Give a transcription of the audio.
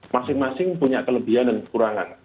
masing masing punya kelebihan dan kekurangan